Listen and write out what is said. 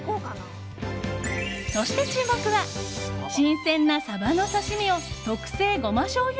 そして注目は新鮮なサバの刺し身を特製ゴマしょうゆ